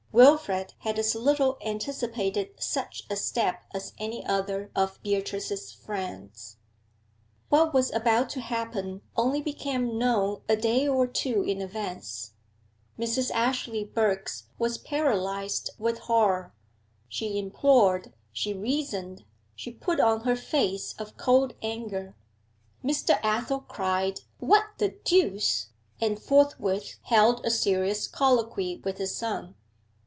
Wilfrid had as little anticipated such a step as any other of Beatrice's friends. What was about to happen only became known a day or two in advance. Mrs. Ashley Birks was paralysed with horror; she implored, she reasoned, she put on her face of cold anger. Mr. Athel cried 'What the deuce!' and forthwith held a serious colloquy with his son.